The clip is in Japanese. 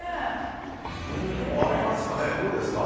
映えますか？